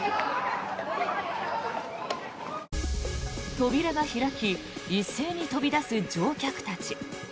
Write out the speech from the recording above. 扉が開き一斉に飛び出す乗客たち。